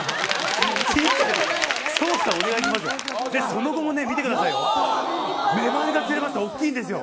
その後も見てくださいよ。